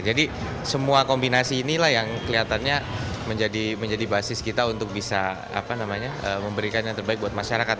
jadi semua kombinasi inilah yang kelihatannya menjadi basis kita untuk bisa memberikan yang terbaik buat masyarakat